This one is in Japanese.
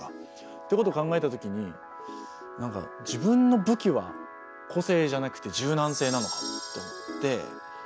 っていうことを考えたときに何か自分の武器は個性じゃなくて柔軟性なのかもと思って。